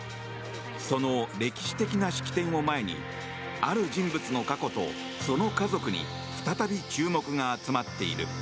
その歴史的な式典を前にある人物の過去とその家族に再び注目が集まっている。